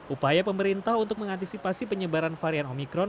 upaya pemerintah untuk mengantisipasi penyebaran varian omikron